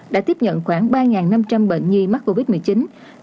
đã tiếp nhận khoảng ba năm trăm linh bệnh nhi mắc covid một mươi chín